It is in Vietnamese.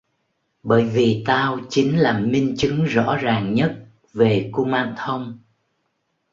Bởi vì tao chính là minh chứng rõ ràng nhất về kumanthong